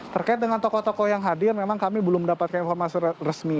terkait dengan tokoh tokoh yang hadir memang kami belum mendapatkan informasi resmi